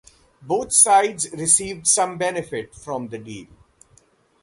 Both sides received some benefit from the deal.